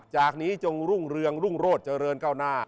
จากนี้จงรุ่งเรืองรุ่งโรธเจริญก้าวหน้า